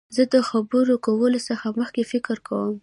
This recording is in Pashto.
زه د خبرو کولو څخه مخکي فکر کوم.